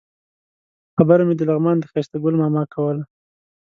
خبره مې د لغمان د ښایسته ګل ماما کوله.